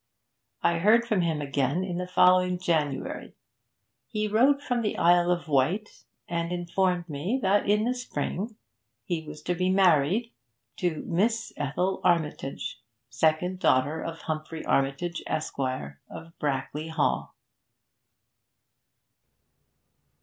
I heard from him again in the following January. He wrote from the Isle of Wight, and informed me that in the spring he was to be married to Miss Ethel Armitage, second daughter of Humphrey Armitage, Esq., of Brackley Hall.